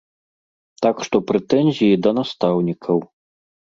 Так што прэтэнзіі да настаўнікаў.